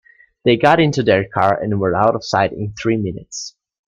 They got into their car and were out of sight in three minutes.